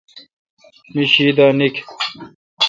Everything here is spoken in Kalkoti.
می شی دا نیکھ،